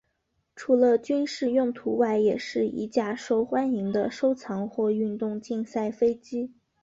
除了军事用途外也是一架受欢迎的收藏或运动竞赛飞机。